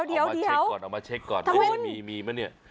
เดี๋ยวเอามาเช็คก่อนมีมั้ยเนี่ย